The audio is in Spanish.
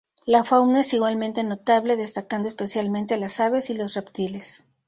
La fauna es igualmente notable, destacando especialmente las aves y los reptiles.